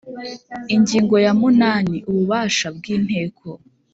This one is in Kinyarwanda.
Ingingo ya munani Ububasha bw inteko